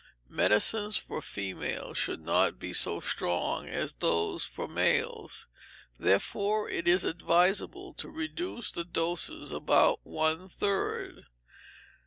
Medicines for females should not be so strong as those for males, therefore it is advisable to reduce the doses about one third.